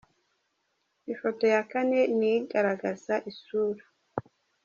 Ifoto ya kane ni igaragaza isura.